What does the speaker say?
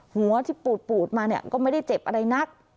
หัวที่ปูดมาเนี่ยก็ไม่ได้เจ็บอะไรนัก